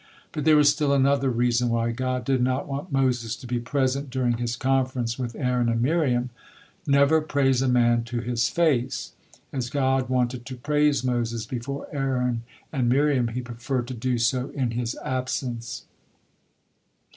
But there was still another reason why God did not want Moses to be present during His conference with Aaron and Miriam "Never praise a man to his face." As God wanted to praise Moses before Aaron and Miriam, He preferred to do so in his absence.